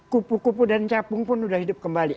kupu kupu dan capung pun sudah hidup kembali